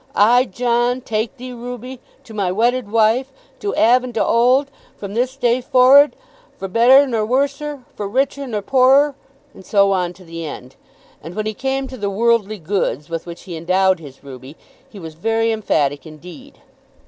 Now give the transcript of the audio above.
"I, John, take thee Ruby, to my wedded wife, to 'ave and to 'old, from this day forrard, for better nor worser, for richer nor poorer ;" and so on to the end. And when he came to the "worldly goods" with which he endowed his Ruby, he was very emphatic indeed.